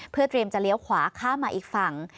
เพื่อเตรียมจะเลี้ยวขวาข้ามมาอีกฝั่ง